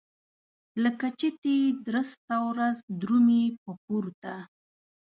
لکه چتي درسته ورځ درومي په پورته.